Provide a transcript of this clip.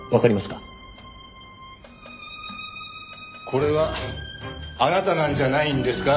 これはあなたなんじゃないんですか？